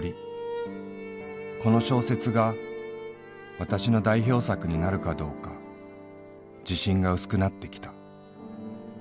この小説が私の代表作になるかどうか自信が薄くなってきた。